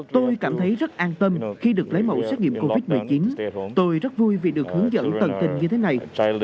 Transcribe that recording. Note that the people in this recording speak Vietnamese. tôi cảm thấy rất an tâm khi được lấy mẫu xét nghiệm covid một mươi chín tôi rất vui vì được hướng dẫn tận tình như thế này